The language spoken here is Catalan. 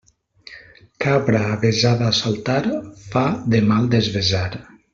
Cabra avesada a saltar, fa de mal desvesar.